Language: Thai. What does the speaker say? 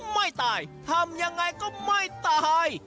ไม่ตายทำยังไงก็ไม่ตาย